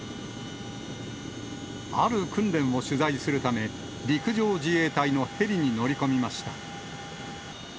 ある訓練を取材するため、陸上自衛隊のヘリに乗り込みました。